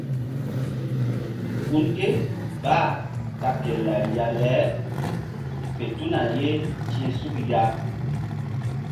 Gun ké bah ta ke lariya le fe tuna ye ti̧h suk ya.